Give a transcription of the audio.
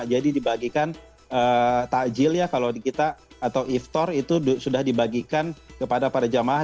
jadi dibagikan takjil ya kalau di kita atau iftar itu sudah dibagikan kepada para jamaah